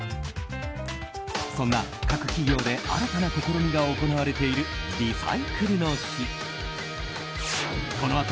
そんな各企業で新たな試みが行われているリサイクルの日。